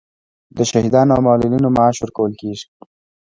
د شهیدانو او معلولینو معاش ورکول کیږي